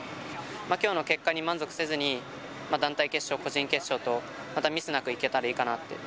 きょうの結果に満足せずに、団体決勝、個人決勝と、またミスなくいけたらいいかなって。